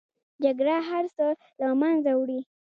جګړه هر څه له منځه وړي